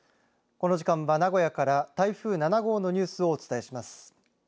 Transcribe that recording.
この時間は名古屋から台風７号のニュースをお伝えします。